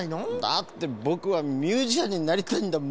だってぼくはミュージシャンになりたいんだもん。